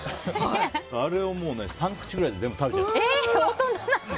あれを３口ぐらいで全部食べちゃう。